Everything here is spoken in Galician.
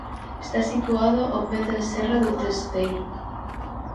Está situado ao pé da serra do Testeiro.